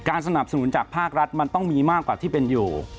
สนับสนุนจากภาครัฐมันต้องมีมากกว่าที่เป็นอยู่